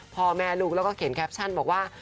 พ่อแม่ลูกแล้วก็เขียนแคปชั่นบอกว่า